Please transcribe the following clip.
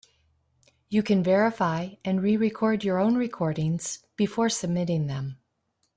You can verify and re-record your own recordings before submitting them.